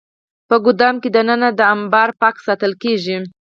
په ګدام کې دننه دا انبار پاک ساتل کېږي.